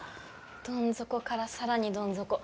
どん底からさらにどん底。